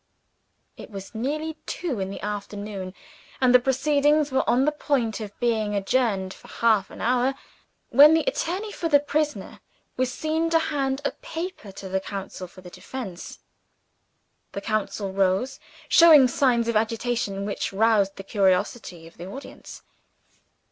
It was nearly two in the afternoon; and the proceedings were on the point of being adjourned for half an hour, when the attorney for the prisoner was seen to hand a paper to the counsel for the defense. The counsel rose, showing signs of agitation which roused the curiosity of the audience.